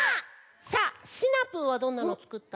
さあシナプーはどんなのつくったの？